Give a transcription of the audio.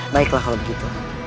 baiklah kalau begitu